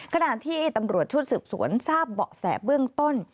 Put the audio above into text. ขณะที่ตำรวจชุดสืบสวนทราบเบาะแสเบื้องต้น